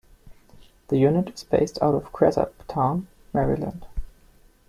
The unit is based out of Cresaptown, Maryland.